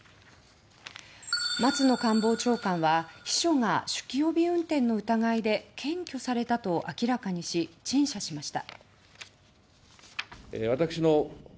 松野官房長官は秘書が酒気帯び運転の疑いで検挙されたと明らかにし陳謝しました。